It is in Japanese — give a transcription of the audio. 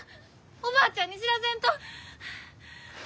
おばあちゃんに知らせんと！